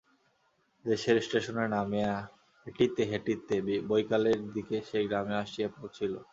দেশের স্টেশনে নামিয়া হ্যাঁটিতে হ্যাঁটিতে বৈকালের দিকে সে গ্রামে আসিয়া পৌঁছিল।